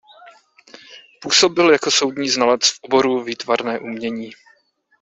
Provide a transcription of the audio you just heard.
Působil jako soudní znalec v oboru výtvarné umění.